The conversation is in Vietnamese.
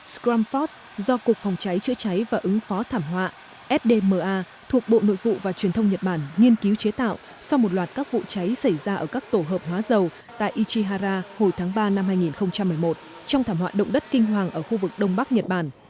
scram fox do cục phòng cháy chữa cháy và ứng phó thảm họa fdma thuộc bộ nội vụ và truyền thông nhật bản nghiên cứu chế tạo sau một loạt các vụ cháy xảy ra ở các tổ hợp hóa dầu tại ichihara hồi tháng ba năm hai nghìn một mươi một trong thảm họa động đất kinh hoàng ở khu vực đông bắc nhật bản